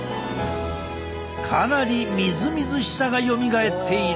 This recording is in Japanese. かなりみずみずしさがよみがえっている。